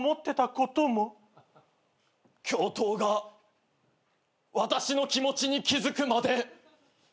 教頭が私の気持ちに気付くまで。